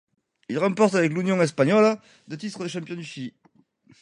Il remporte avec l'Unión Española deux titres de champion du Chili.